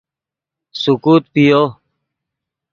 سیکوت پیو